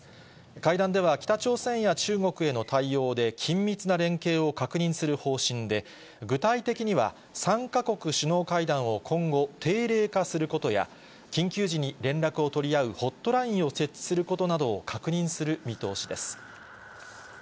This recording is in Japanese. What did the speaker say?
会談では、北朝鮮や中国への対応で緊密な連携を確認する方針で、具体的には、３か国首脳会談を今後、定例化することや、緊急時に連絡を取り合うホットラインを設置することなどを確認する見通しです。